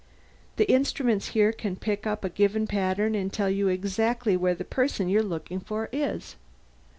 The instruments here can pick up a given pattern and tell you exactly where the person you're looking for is."